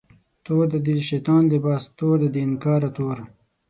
تور دی د شیطان لباس، تور دی د انکار توره